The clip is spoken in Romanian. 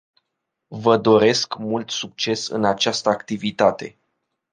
Vă doresc mult succes în această activitate.